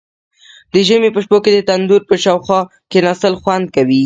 د ژمي په شپو کې د تندور په شاوخوا کیناستل خوند کوي.